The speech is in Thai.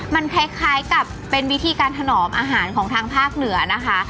มันคล้ายกับเป็นวิธีการถนอมอาหารของทางภาคเหนือนะคะ